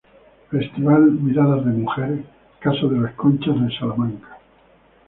Festival "Miradas de mujer," Casa de las Conchas de Salamanca.